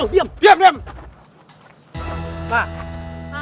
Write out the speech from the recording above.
diam dulu diam